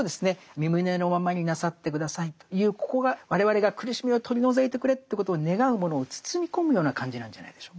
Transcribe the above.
み旨のままになさって下さいというここが我々が苦しみを取り除いてくれということを願うものを包み込むような感じなんじゃないでしょうか。